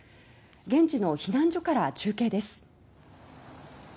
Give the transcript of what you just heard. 現地の避難所から中継です。